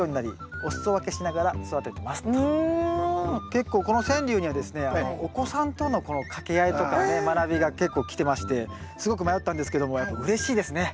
結構この川柳にはですねお子さんとの掛け合いとかね学びが結構来てましてすごく迷ったんですけどもやっぱうれしいですね。